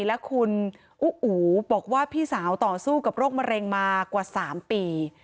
และคุณอู๋บอกว่าพี่สาวต่อสู้กับโรคมะเร็งมากว่า๓ปี